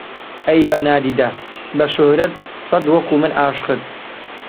ئەی بە نادیدە، بە شوهرەت سەد وەکوو من عاشقت